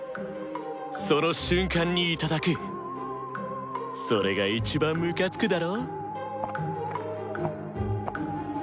その瞬間にいただくそれが一番ムカつくだろ？